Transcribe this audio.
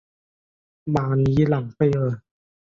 马尼朗贝尔。